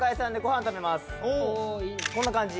こんな感じ。